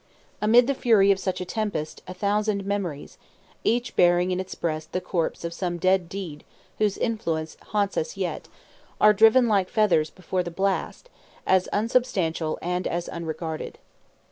Amid the fury of such a tempest, a thousand memories, each bearing in its breast the corpse of some dead deed whose influence haunts us yet, are driven like feathers before the blast, as unsubstantial and as unregarded.